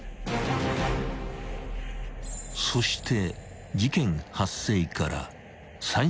［そして］